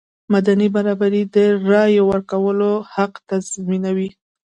مدني برابري د رایې ورکولو حق تضمینوي.